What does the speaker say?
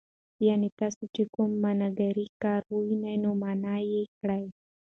يعني تاسو چې کوم منکر کار ووينئ، نو منعه يې کړئ.